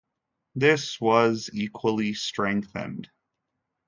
This was equally strengthened.